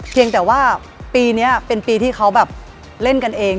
เพียงแต่ว่าปีนี้เป็นปีที่เขาแบบเล่นกันเอง